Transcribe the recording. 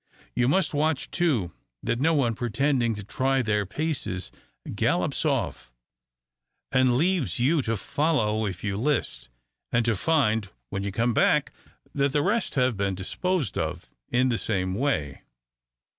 You must watch, too, that no one, pretending to try their paces, gallops off, and leaves you to follow if you list, and to find, when you come back, that the rest have been disposed of in the same way."